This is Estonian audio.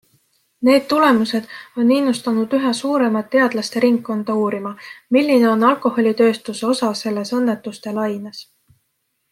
Need tulemused on innustanud üha suuremat teadlaste ringkonda uurima, milline on alkoholitööstuse osa selles õnnetuste laines.